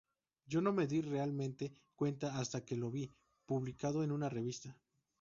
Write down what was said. Yo no me di realmente cuenta hasta que lo vi publicado en una revista.